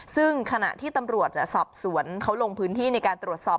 ซึ่งขณะที่ตำรวจสอบสวนเขาลงพื้นที่ในการตรวจสอบ